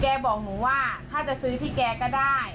บอกหนูว่าถ้าจะซื้อที่แกก็ได้